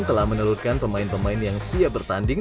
telah menelurkan pemain pemain yang siap bertanding